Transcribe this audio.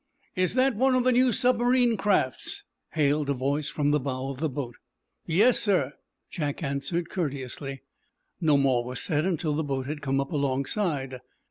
"Is that one of the new submarine crafts?" hailed a voice from the bow of the boat. "Yes, sir," Jack answered, courteously. No more was said until the boat had come up alongside.